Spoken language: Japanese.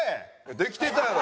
できてたやろ？